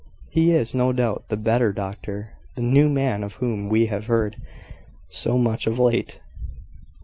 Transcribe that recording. He is, no doubt, the `better doctor,' `the new man,' of whom we have heard so much of late."